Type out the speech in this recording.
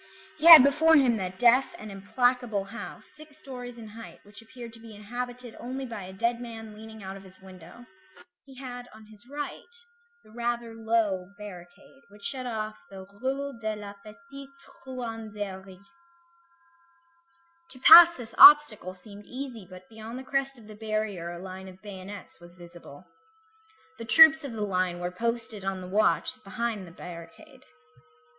He had before him that deaf and implacable house, six stories in height, which appeared to be inhabited only by a dead man leaning out of his window; he had on his right the rather low barricade, which shut off the Rue de la Petite Truanderie; to pass this obstacle seemed easy, but beyond the crest of the barrier a line of bayonets was visible. The troops of the line were posted on the watch behind that barricade.